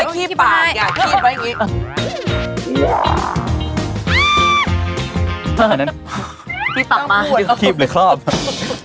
ขีบเอาไว้ขีบปากอย่าขีบไว้อย่างนี้